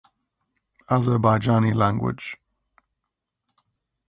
Azerbaijani language